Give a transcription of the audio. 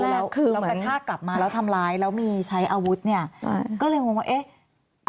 แล้วคือเรากระชากกลับมาแล้วทำร้ายแล้วมีใช้อาวุธเนี่ยก็เลยงงว่าเอ๊ะ